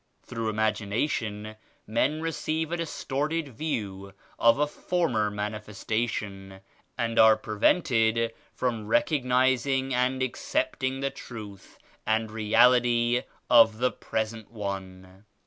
Through imagination men receive a distorted view of a former Manifestation and are prevented from recognizing and accepting the Truth and Reality of the present one.